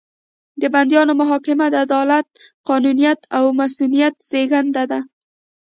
د بندیانو محاکمه د عدالت، قانونیت او مصونیت زېږنده وو.